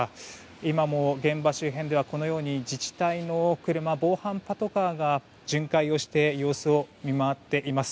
今も現場周辺では自治体の車防犯パトカーが巡回をして様子を見回っています。